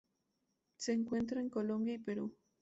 Se encuentra en Colombia y Perú.